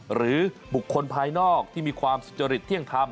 หรือบุคคลภายนอกที่มีความสุจริตเที่ยงธรรม